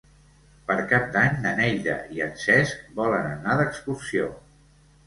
Per Cap d'Any na Neida i en Cesc volen anar d'excursió.